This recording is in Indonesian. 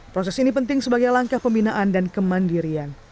proses ini penting sebagai langkah pembinaan dan kemandirian